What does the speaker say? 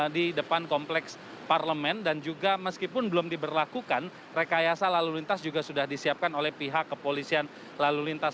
di depan kompleks parlemen dan juga meskipun belum diberlakukan rekayasa lalu lintas juga sudah disiapkan oleh pihak kepolisian lalu lintas